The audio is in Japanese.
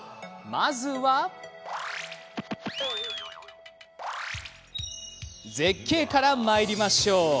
まずは絶景からいきましょう。